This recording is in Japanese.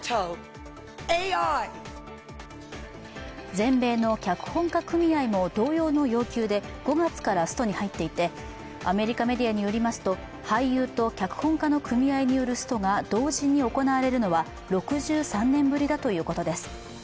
全米の脚本家組合も同様の要求で、５月からストに入っていて、アメリカメディアによりますと俳優と脚本家の組合によるストが同時に行われるのは６３年ぶりだということです。